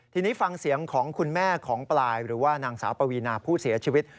ทีนี้ฟังเสียงของคุณแม่ของปลายหรือว่านางสาวปวีนาผู้เสียชีวิต